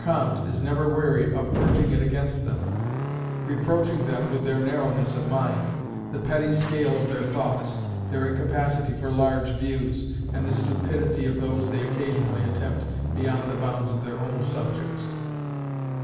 Comte is never weary of urging it against them; reproaching them with their narrowness of mind, the petty scale of their thoughts, their incapacity for large views, and the stupidity of those they occasionally attempt beyond the bounds of their own subjects.